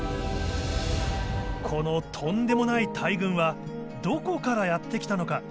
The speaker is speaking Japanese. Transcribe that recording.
このとんでもない大群はどこからやって来たのか？